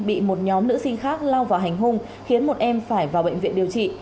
bị một nhóm nữ sinh khác lao vào hành hung khiến một em phải vào bệnh viện điều trị